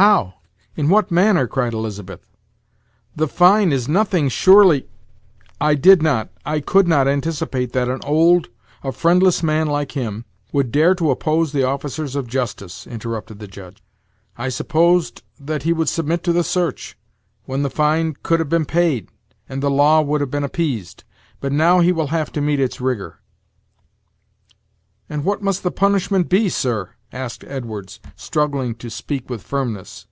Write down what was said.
"How? in what manner?" cried Elizabeth; "the fine is nothing surely " "I did not I could not anticipate that an old, a friendless man like him, would dare to oppose the officers of justice," interrupted the Judge, "I supposed that he would submit to the search, when the fine could have been paid, and the law would have been appeased; but now he will have to meet its rigor." "And what must the punishment be, sir?" asked Edwards, struggling to speak with firmness.